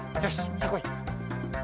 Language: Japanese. さあこい。